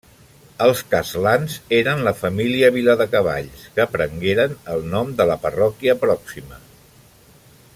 Els castlans eren la família Viladecavalls, que prengueren el nom de la parròquia pròxima.